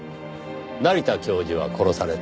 成田教授は殺された。